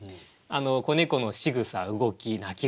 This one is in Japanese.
子猫のしぐさ動き鳴き声